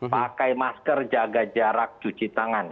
pakai masker jaga jarak cuci tangan